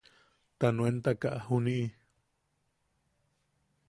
Ta nuentaka juniʼi.